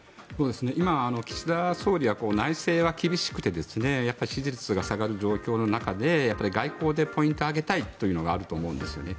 今、岸田総理は内政は厳しくて支持率が下がる状況の中で外交でポイントを挙げたいというのがあると思うんですよね。